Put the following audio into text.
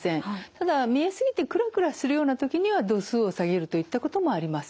ただ見え過ぎてくらくらするような時には度数を下げるといったこともあります。